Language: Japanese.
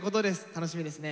楽しみですね。